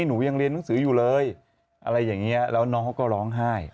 หนูยังเรียนหนังสืออยู่เลยอะไรอย่างนี้แล้วน้องเขาก็ร้องไห้